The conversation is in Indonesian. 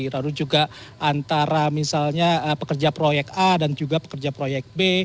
lalu juga antara misalnya pekerja proyek a dan juga pekerja proyek b